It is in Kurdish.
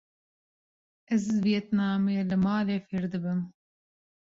Ez viyetnamî li malê fêr dibim.